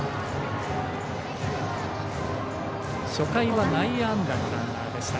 初回は内野安打のランナーでした。